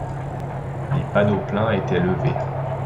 Les panneaux pleins étaient levés.